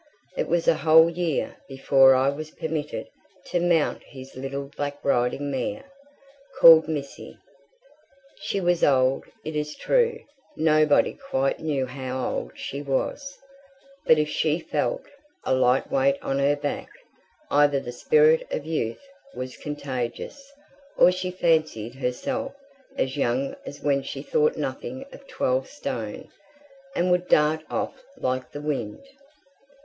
It was a whole year before I was permitted to mount his little black riding mare, called Missy. She was old, it is true nobody quite knew how old she was but if she felt a light weight on her back, either the spirit of youth was contagious, or she fancied herself as young as when she thought nothing of twelve stone, and would dart off like the wind.